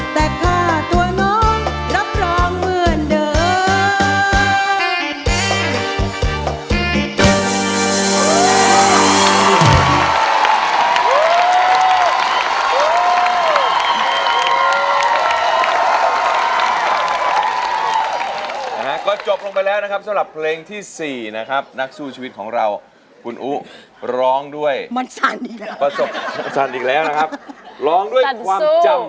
แต่ค่าตัวน้องรับรองเหมือนเดิม